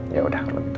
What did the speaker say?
yaudah kalau gitu